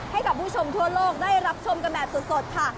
ให้กับผู้ชมทั่วโลกได้รับชมกันแบบสดค่ะ